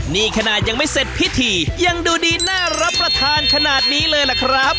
นี่ขนาดยังไม่เสร็จพิธียังดูดีน่ารับประทานขนาดนี้เลยล่ะครับ